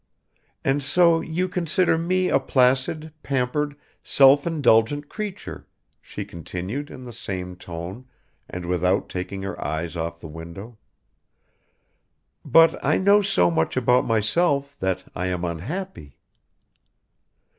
"And so you consider me a placid, pampered, self indulgent creature," she continued in the same tone and without taking her eyes off the window. "But I know so much about myself that I am unhappy."